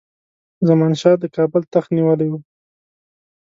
زمان شاه د کابل تخت نیولی وو.